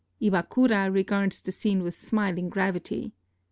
Iwakura regards the scene with smiling gravity.